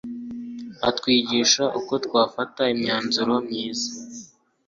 atwigisha uko twafata imyanzuro myiza